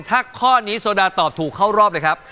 ถ้าข้อนี้โซดาตอบถูกเข้ารอบเลยครับ